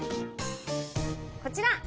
こちら！